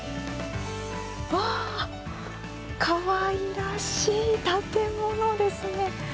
わあ、かわいらしい建物ですね。